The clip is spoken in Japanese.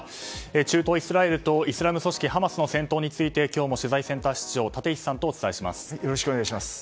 中東イスラエルとイスラム組織ハマスの戦闘について今日も取材センター室長立石さんとお伝えします。